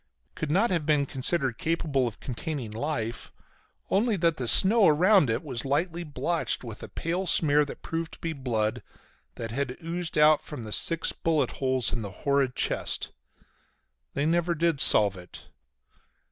Could not have been considered capable of containing life only that the snow around it was lightly blotched with a pale smear that proved to be blood, that had oozed out from the six bullet holes in the horrid chest. They never did solve it.